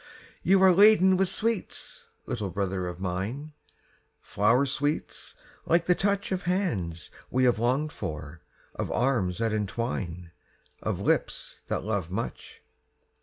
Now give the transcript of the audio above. You are laden with sweets, little brother of mine, Flower sweets, like the touch Of hands we have longed for, of arms that entwine, Of lips that love much.